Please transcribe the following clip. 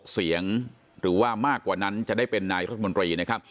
เสียงหรือว่ามากกว่านั้นจะได้เป็นนายรัฐมนตรีนะครับ